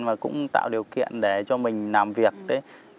mà cũng tạo điều kiện để cho mình làm việc đấy